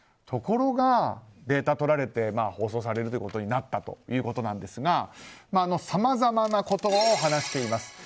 ところが、データを取られて放送されるということになったということなんですがさまざまなことを話しています。